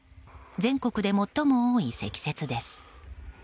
全国で最も多い積雪です。